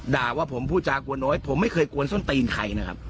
ด่าว่าผมพูดจากวนน้อยผมไม่เคยกวนส้นตีนใครนะครับ